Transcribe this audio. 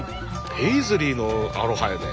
ペイズリーのアロハやで。